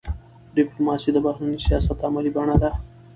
ډيپلوماسي د بهرني سیاست عملي بڼه ده.